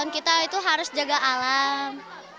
kita itu harus jaga alam